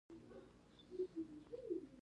سړی تر هغو پورې نه ځینې رالویږي.